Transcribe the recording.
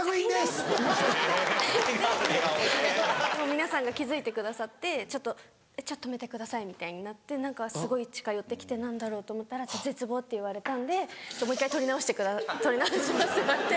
・皆さんが気付いてくださって止めてくださいみたいになってすごい近寄って来て何だろう？と思ったら「絶望って言われたんでもう１回撮り直します」って言われて。